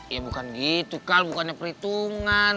ya bukan gitu kal bukannya perhitungan